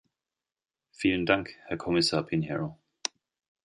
Vielen Dank, Herr Kommissar Pinheiro!